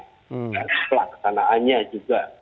dan pelaksanaannya juga